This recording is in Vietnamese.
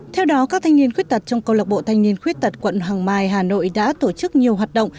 theo đó các thanh niên khuyết tật trong công lộc bộ thanh niên khuyết tật quận hàng mai hà nội đã tổ chức nhiều hoạt động